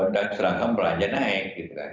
dan sedangkan belanja naik